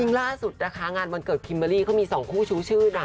ยิ่งล่าสุดนะคะงานวันเกิดคิมเบอร์รี่ก็มีสองคู่ชู้ชื่นอะ